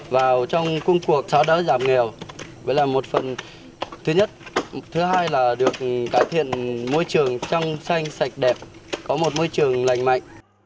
vào trong cung cuộc xã đỡ giảm nghèo với là một phần thứ nhất thứ hai là được cải thiện môi trường trong xanh sạch đẹp có một môi trường lành mạnh